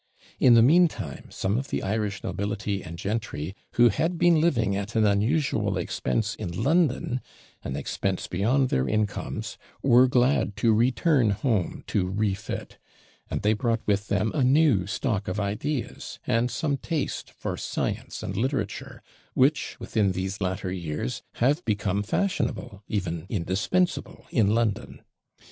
In the meantime, some of the Irish nobility and gentry who had been living at an unusual expense in London an expense beyond their incomes were glad to return home to refit; and they brought with them a new stock of ideas, and some taste for science and literature, which, within these latter years, have become fashionable, indeed indispensable, in London.